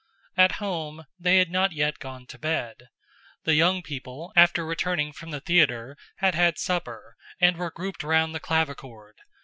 At home, they had not yet gone to bed. The young people, after returning from the theater, had had supper and were grouped round the clavichord.